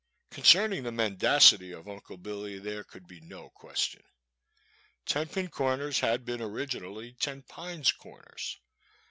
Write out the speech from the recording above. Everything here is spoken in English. Concerning the mendacity of Unde Billy there could be no question. Ten Pin Comers had been originally Ten Pines Corners.